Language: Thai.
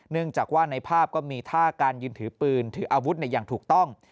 จากว่าในภาพก็มีท่าการยืนถือปืนถืออาวุธอย่างถูกต้อง